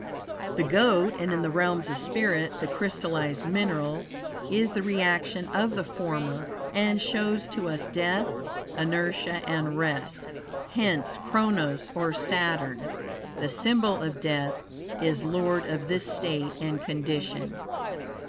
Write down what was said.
The Goat, and in the realms of spirit, the crystallized mineral is the reaction of the former, and shows to us death, inertia and rest; hence Kronos, or Saturn, the symbol of death, is lord of this state and condition.